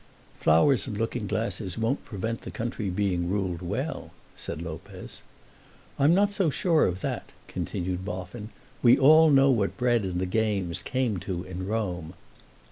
"Flowers and looking glasses won't prevent the country being ruled well," said Lopez. "I'm not so sure of that," continued Boffin. "We all know what bread and the games came to in Rome."